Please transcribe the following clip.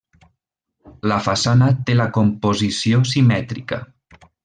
La façana té la composició simètrica.